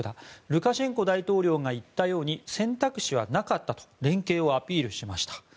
ルカシェンコ大統領が言ったように選択肢はなかったと連携をアピールしました。